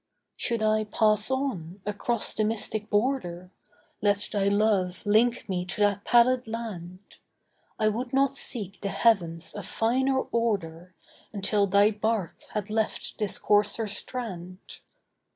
Should I pass on, across the mystic border, Let thy love link me to that pallid land; I would not seek the heavens of finer order Until thy barque had left this coarser strand.